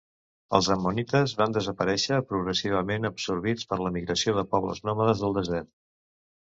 Els ammonites van desaparèixer progressivament absorbits per l'emigració de pobles nòmades del desert.